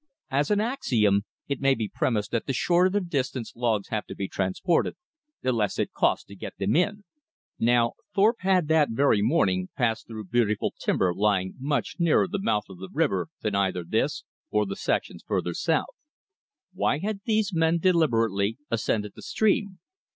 As an axiom it may be premised that the shorter the distance logs have to be transported, the less it costs to get them in. Now Thorpe had that very morning passed through beautiful timber lying much nearer the mouth of the river than either this, or the sections further south. Why had these men deliberately ascended the stream?